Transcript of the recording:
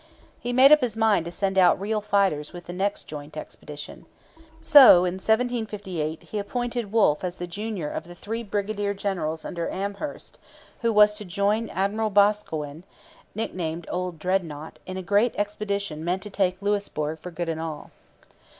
He made up his mind to send out real fighters with the next joint expedition. So in 1758 he appointed Wolfe as the junior of the three brigadier generals under Amherst, who was to join Admiral Boscawen nicknamed 'Old Dreadnought' in a great expedition meant to take Louisbourg for good and all.